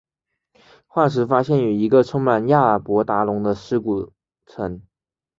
化石发现于一个充满亚伯达龙的尸骨层。